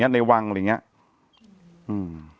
ในวังอะไรอย่างนี้